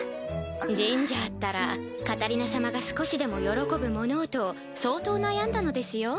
ジンジャーったらカタリナ様が少しでも喜ぶものをと相当悩んだのですよ。